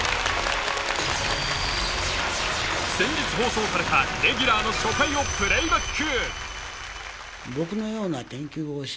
先日放送されたレギュラーの初回をプレーバック！